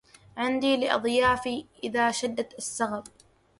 عندي لأضيافي إذا اشتد السغب